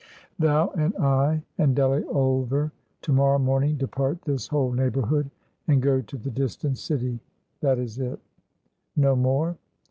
"Thou, and I, and Delly Ulver, to morrow morning depart this whole neighborhood, and go to the distant city. That is it." "No more?"